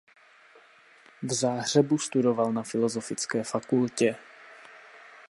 V Záhřebu studoval na filozofické fakultě.